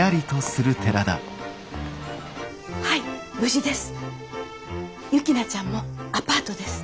はい無事です。